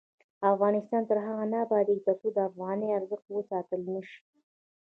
افغانستان تر هغو نه ابادیږي، ترڅو د افغانۍ ارزښت وساتل نشي.